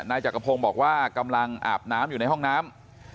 นายจักรพงศ์บอกว่ากำลังอาบน้ำอยู่ในห้องน้ำ